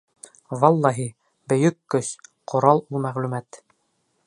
Валлаһи, бөйөк көс, ҡорал ул мәғлүмәт!